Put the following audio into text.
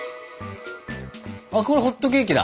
あっこれホットケーキだ。